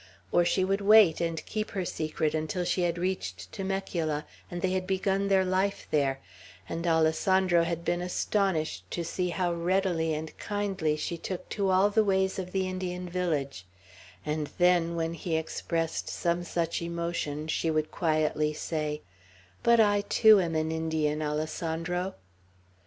Or she would wait, and keep her secret until she had reached Temecula, and they had begun their life there, and Alessandro had been astonished to see how readily and kindly she took to all the ways of the Indian village; and then, when he expressed some such emotion, she would quietly say, "But I too am an Indian, Alessandro!"